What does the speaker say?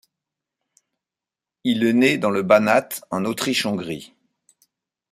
Il est né dans le Banat en Autriche-Hongrie.